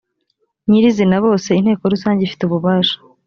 nyirizina bose inteko rusange ifite ububasha